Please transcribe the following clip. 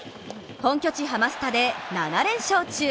本拠地ハマスタで７連勝中。